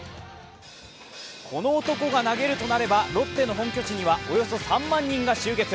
この男が投げるとなればロッテの本拠地にはおよそ３万人が集結。